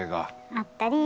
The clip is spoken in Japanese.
あったり。